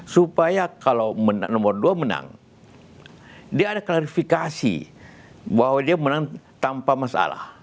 supaya kalau nomor dua menang dia ada klarifikasi bahwa dia menang tanpa masalah